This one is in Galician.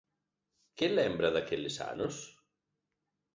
Que lembra daqueles anos?